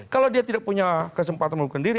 kalau dia tidak punya kesempatan mengundurkan diri